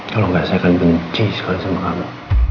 kalau enggak saya akan benci sekali sama kamu